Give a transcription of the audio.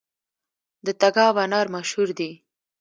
د تګاب انار مشهور دي